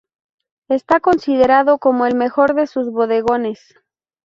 Está considerado como el mejor de sus bodegones.